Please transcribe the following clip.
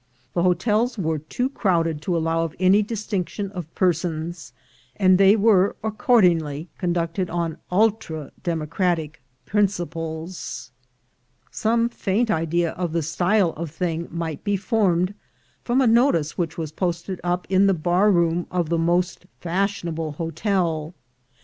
The hotels were too crowded to allow of any distinc tion of persons, and they were accordingly conducted on ultra democratic principles. Some faint idea of the style of thing might be formed from a notice which was posted up in the bar room of the most fashionable hotel.